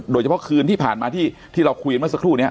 โดยเฉพาะคืนที่ผ่านมาที่เราคุยกันเมื่อสักครู่นี้